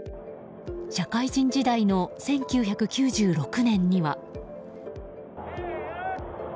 社会人時代の１９９６年には。